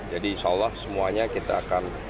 jadi insya allah semuanya kita akan